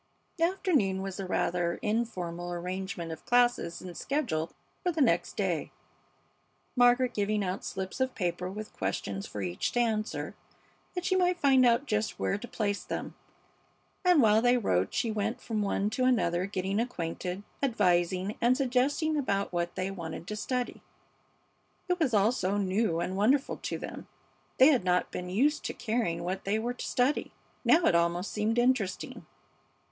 The afternoon was a rather informal arrangement of classes and schedule for the next day, Margaret giving out slips of paper with questions for each to answer, that she might find out just where to place them; and while they wrote she went from one to another, getting acquainted, advising, and suggesting about what they wanted to study. It was all so new and wonderful to them! They had not been used to caring what they were to study. Now it almost seemed interesting.